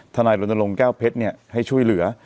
ทนายลนตรงแก้วเพชรเนี่ยให้ช่วยเหลือ